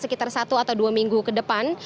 sekitar satu atau dua minggu ke depan